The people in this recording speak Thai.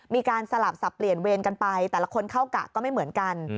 มีการสลับสับเปลี่ยนเวรกันไปแต่ละคนเข้ากะก็ไม่เหมือนกัน